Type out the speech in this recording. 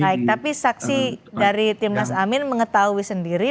baik tapi saksi dari timnas amin mengetahui sendiri